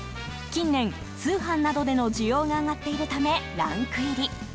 近年、通販などでの需要が上がっているためランク入り。